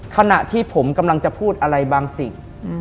ขณะที่ผมกำลังจะพูดอะไรบางสิ่ง